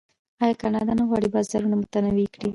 آیا کاناډا نه غواړي بازارونه متنوع کړي؟